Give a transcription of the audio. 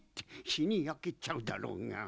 ひにやけちゃうだろうが。